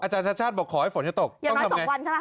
อาจารย์ชาติบอกขอให้ฝนอย่าตกอย่างน้อยสองวันใช่ไหม